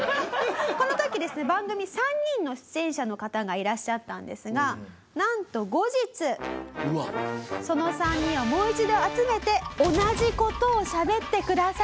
この時ですね番組３人の出演者の方がいらっしゃったんですがなんと後日その３人をもう一度集めて同じ事をしゃべってください。